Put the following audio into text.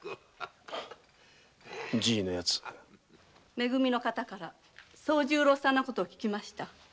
め組の方から惣十郎さんの事を聞きました。